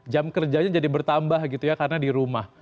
jam kerjanya jadi bertambah gitu ya karena di rumah